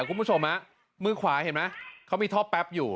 คุณผู้ชมมื้อขวาเห็นมั้ยเขามีท็อปแป๊บอยู่